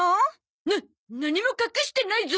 な何も隠してないゾ。